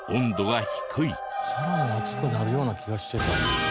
皿も熱くなるような気がしてた。